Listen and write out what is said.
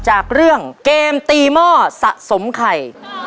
จากเรื่องเกมตีหม้อสะสมไข่